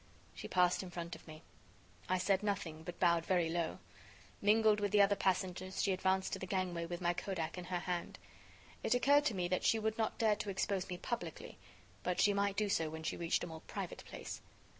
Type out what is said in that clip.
She passed in front of me. I said nothing, but bowed very low. Mingled with the other passengers, she advanced to the gangway with my Kodak in her hand. It occurred to me that she would not dare to expose me publicly, but she might do so when she reached a more private place.